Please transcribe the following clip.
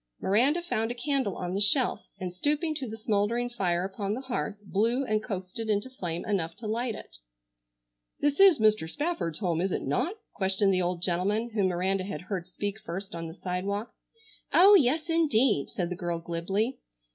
Miranda found a candle on the shelf and, stooping to the smouldering fire upon the hearth, blew and coaxed it into flame enough to light it. "This is Mr. Spafford's home, is it not?" questioned the old gentleman whom Miranda had heard speak first on the sidewalk. "Oh, yes, indeed," said the girl glibly.